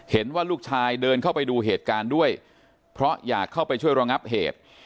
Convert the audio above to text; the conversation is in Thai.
เห็นว่าลูกชายเดินเข้าไปดูเหตุการณ์ด้วยเพราะอยากเข้าไปช่วยระงับเหตุ